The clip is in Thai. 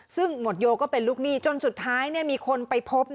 ซึ่งหมวดโยก็เป็นลูกหนี้จนสุดท้ายมีคนไปพบ